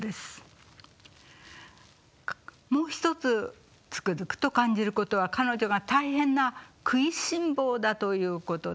もう一つつくづくと感じることは彼女が大変な食いしん坊だということです。